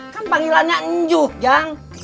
kan panggilannya njuh jang